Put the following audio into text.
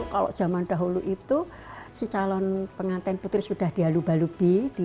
kalau zaman dahulu itu si calon pengantin putri sudah dialu balubi